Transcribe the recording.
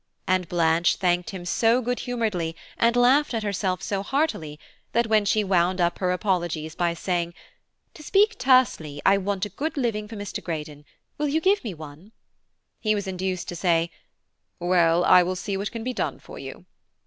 And Blanche thanked him so good humouredly, and laughed at herself so heartily, that when she wound up her apologies by saying, "To speak tersely, I want a good living for Mr. Greydon; will you give me one?" he was induced to say, "Well, I will see what can be done for you."